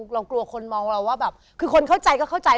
เรากลัวคนมองเราว่าแบบคือคนเข้าใจก็เข้าใจ